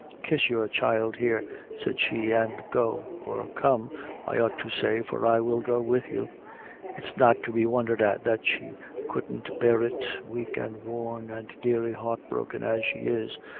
Kiss your child, here," said she, "an' go or come, I ought to say, for I will go with you. It's not to be wondhered at that she couldn't bear it, weak, and worn, and nearly heartbroken as she is.